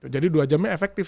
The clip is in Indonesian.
jadi dua jamnya efektif